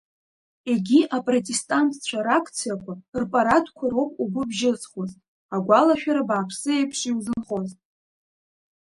Егьи апротестантцәа ракциақәа, рпарадқәа роуп угәы бжьызхуаз, агәалашәара бааԥсы еиԥш иузынхоз.